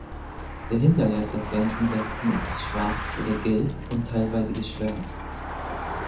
Der Hinterleib der Pflanzenwespen ist schwarz oder gelb und teilweise geschwärzt.